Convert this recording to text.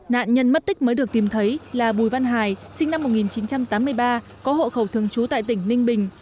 nạn nhân mất tích mới được tìm thấy là bùi văn hải sinh năm một nghìn chín trăm tám mươi ba có hộ khẩu thường trú tại tỉnh ninh bình